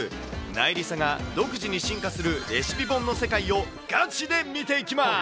なえりさが独自に進化するレシピ本の世界をガチで見ていきます。